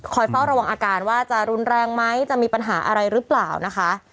เฝ้าระวังอาการว่าจะรุนแรงไหมจะมีปัญหาอะไรหรือเปล่านะคะ